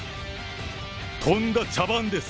とんだ茶番です。